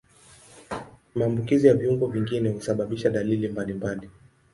Maambukizi ya viungo vingine husababisha dalili mbalimbali.